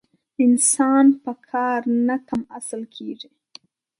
انسان په کار نه کم اصل کېږي.